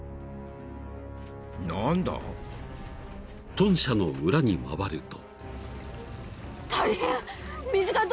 ［豚舎の裏に回ると］